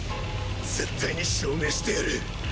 絶対に証明してやる